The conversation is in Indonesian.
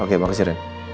oke makasih ren